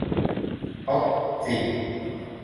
เพราะจริง